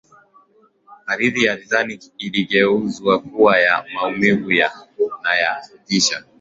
hadithi ya titanic iligeuzwa kuwa ya maumivu na ya kutisha